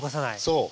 そう。